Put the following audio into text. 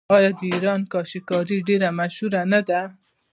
آیا د ایران کاشي کاري ډیره مشهوره نه ده؟